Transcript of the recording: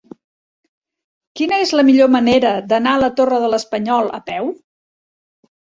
Quina és la millor manera d'anar a la Torre de l'Espanyol a peu?